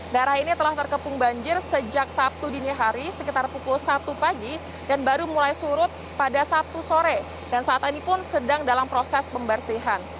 daerah ini telah terkepung banjir sejak sabtu dini hari sekitar pukul satu pagi dan baru mulai surut pada sabtu sore dan saat ini pun sedang dalam proses pembersihan